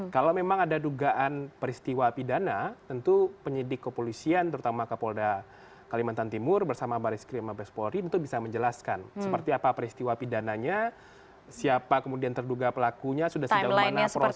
kalau memang ada dugaan peristiwa pidana tentu penyidik kepolisian terutama ke polda kalimantan timur bersama barreskrim dan bespori tentu bisa menjelaskan seperti apa peristiwa pidananya siapa kemudian terduga pelakunya sudah sejauh mana prosesnya seperti apa